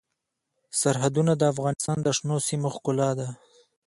سرحدونه د افغانستان د شنو سیمو ښکلا ده.